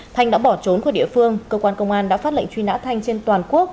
thanh đã bỏ trốn khỏi địa phương cơ quan công an đã phát lệnh truy nã thanh trên toàn quốc